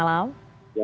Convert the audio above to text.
selamat malam mbak putri